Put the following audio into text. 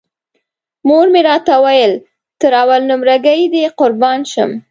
مور مې راته ویل تر اول نمره ګۍ دې قربان شم.